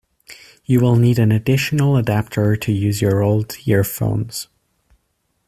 You will need an additional adapter to use your old earphones.